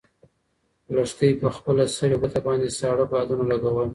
لښتې په خپله سوې ګوته باندې ساړه بادونه لګول.